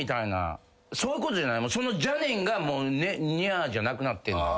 その邪念が「にゃー」じゃなくなってんねん。